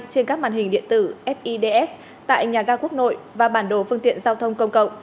trên các màn hình điện tử fids tại nhà ga quốc nội và bản đồ phương tiện giao thông công cộng